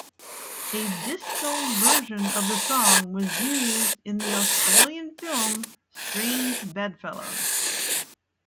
A disco version of the song was used in the Australian film "Strange Bedfellows".